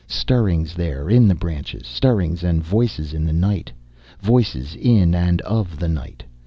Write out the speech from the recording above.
Stirrings there, in the branches. Stirrings and voices in the night. Voices in and of the night.